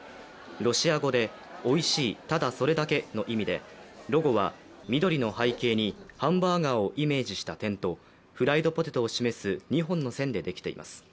ロシア語で「おいしい、ただそれだけ」の意味でロゴは緑の背景にハンバーガーをイメージした点と、フライドポテトを示す２本の線でできています。